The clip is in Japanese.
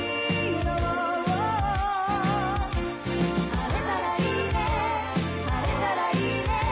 「晴れたらいいね晴れたらいいね」